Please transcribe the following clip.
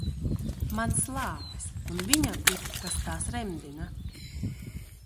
Man slāpes un viņam ir kas tās remdina.